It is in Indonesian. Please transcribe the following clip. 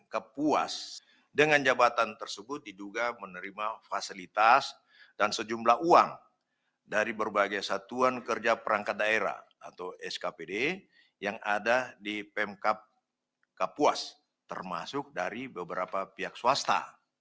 kapuas dengan jabatan tersebut diduga menerima fasilitas dan sejumlah uang dari berbagai satuan kerja perangkat daerah atau skpd yang ada di pemkap kapuas termasuk dari beberapa pihak swasta